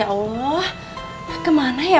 masya allah kemana ya